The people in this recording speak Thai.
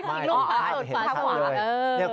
อ่าคุณพ่อดูตรศาสตร์